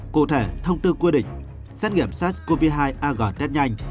cụ thể thông tư quy định xét nghiệm sars cov hai ag test nhanh